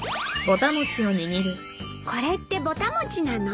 これってぼた餅なの？